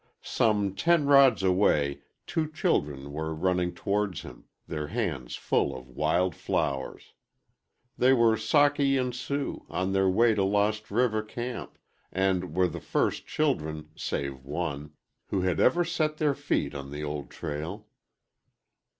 Some ten rods away two children were running towards him, their hands full of wild flowers. They were Socky and Sue, on their way to Lost River camp, and were the first children save one who had ever set their feet on the old trail.